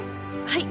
はい。